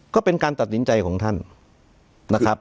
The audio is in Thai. ก็เป็นการตัดสินใจของท่านนะครับ